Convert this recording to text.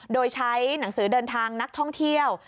โดยใช้หนังสือเดินทางนักท่องเที่ยว